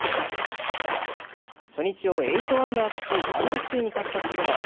初日を８アンダーとし単独首位に立った渋野。